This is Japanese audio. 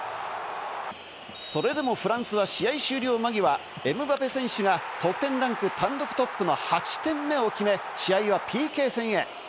それでもフランスは試合終了間際、エムバペ選手が得点ランク単独トップとなる８点目を決め、試合はＰＫ戦へ。